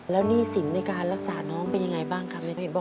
แล้วหนี้สินในการรักษาน้องเป็นยังไงบ้างครับ